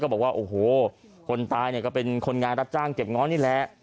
บอกว่าโอ้โหคนตายเนี่ยก็เป็นคนงานรับจ้างเก็บง้อนี่แหละ